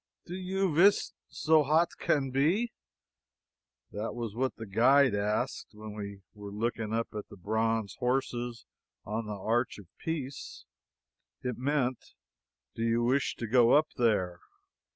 "Do you wis zo haut can be?" That was what the guide asked when we were looking up at the bronze horses on the Arch of Peace. It meant, do you wish to go up there?